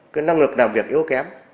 cái năng lực làm việc yếu kém